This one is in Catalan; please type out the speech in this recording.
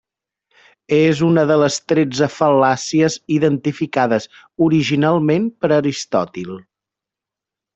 És una de les tretze fal·làcies identificades originalment per Aristòtil.